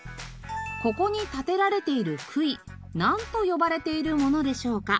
ここに立てられている杭なんと呼ばれているものでしょうか？